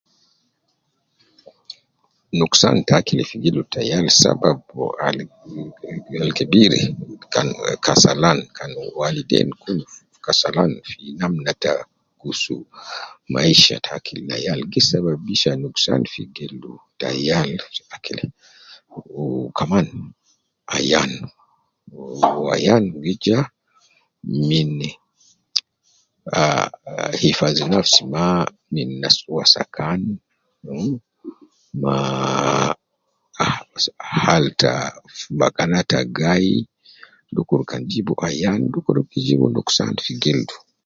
Nuksan te akil fi gildu ta yal sabab al gi, al kebiri, kan kasalan kan wale, kun kasalan fi namna ta gusu maisha ta akil na yal gi sababisha nuksan fi gildu ta yal akil, wu kaman ayan, wu ayan gi ja mini, ah hifazi nafsi ma min nas wasakan, ma ah, ha hal ta bakana ta gai, dukur kan jib ayan dukuru gi jib nuksan fi gildu